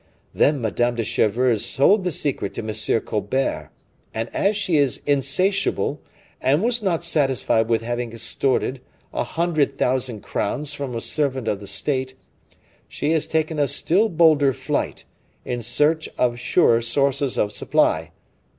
Then Madame de Chevreuse sold the secret to M. Colbert, and as she is insatiable, and was not satisfied with having extorted a hundred thousand crowns from a servant of the state, she has taken a still bolder flight, in search of surer sources of supply.